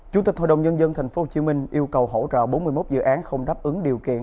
chủ tịch hội đồng nhân dân tp hcm yêu cầu hỗ trợ bốn mươi một dự án không đáp ứng điều kiện